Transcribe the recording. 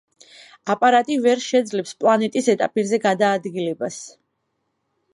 აპარატი ვერ შეძლებს პლანეტის ზედაპირზე გადაადგილებას.